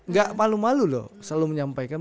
gak malu malu loh selalu menyampaikan